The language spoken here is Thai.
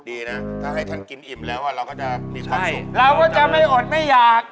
ดีนะถ้าให้ท่านกินอิ่มแล้วเราก็จะมีความสุข